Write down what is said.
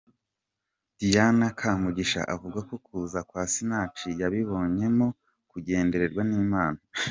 Diana Kamugisha avuga ko kuza kwa Sinach yabibonyemo nko kugendererwa n'Imana.